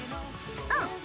うん。